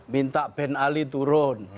minta ben ali turun